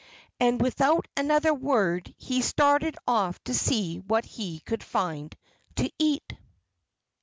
and without another word he started off to see what he could find to eat.